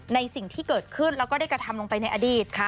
สิ่งที่เกิดขึ้นแล้วก็ได้กระทำลงไปในอดีต